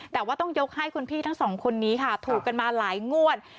แต่ว่าต้องยกให้คุณพี่ทั้งสองคนนี้ค่ะถูกกันมาหลายงวด